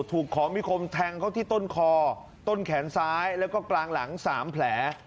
ถูกของมีคมแทงเขาที่ต้นคอต้นแขนซ้ายแล้วก็กลางหลัง๓แผล